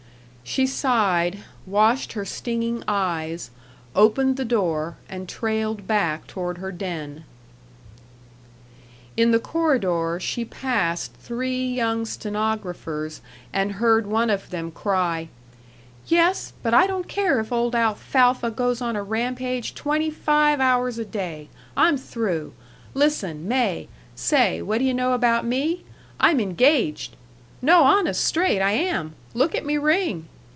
She sighed, washed her stinging eyes, opened the door, and trailed back toward her den. In the corridor she passed three young stenographers and heard one of them cry: "Yes, but I don't care if old Alfalfa goes on a rampage twenty five hours a day. I'm through. Listen, May, say, what d'you know about me? I'm engaged! No, honest, straight I am! Look at me ring!